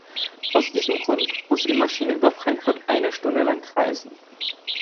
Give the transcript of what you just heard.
Aus diesem Grund musste die Maschine über Frankfurt eine Stunde lang kreisen.